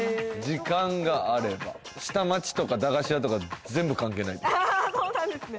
時間があれば下町とか駄菓子屋とか全部関係ないあそうなんですね